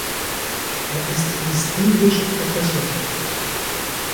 Er ist Distinguished Professor.